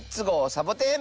サボテン」。